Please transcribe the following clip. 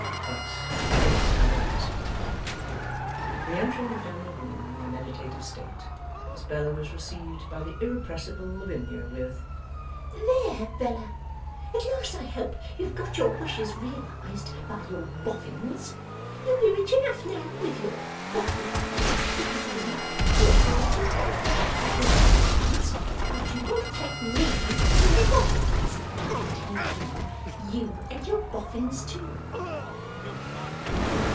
But my interest remains.' Re entering the family room in a meditative state, Miss Bella was received by the irrepressible Lavinia with: 'There, Bella! At last I hope you have got your wishes realized by your Boffins. You'll be rich enough now with your Boffins. You can have as much flirting as you like at your Boffins. But you won't take ME to your Boffins, I can tell you you and your Boffins too!